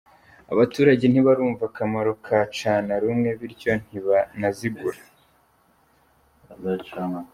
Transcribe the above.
Abaturage ntibarumva akamaro ka cana rumwe bityo ntibanazigura.